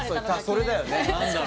それだよね